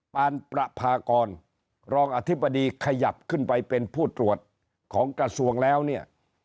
ปานประพากรรองอธิบดีขยับขึ้นไปเป็นผู้ตรวจของกระทรวงแล้วเนี่ย